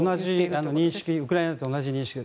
ウクライナと同じ認識で。